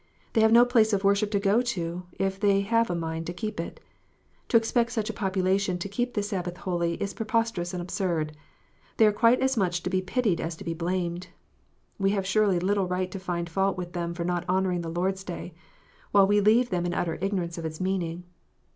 They have no place of worship to go to, if they have a mind to keep it. To expect such a population to keep the Sabbath holy, is preposterous and absurd : they are quite as much to be pitied as to be blamed. We have surely little right to find fault with them for not honouring the Lord s Day, while we leave them in utter ignorance of its meaning.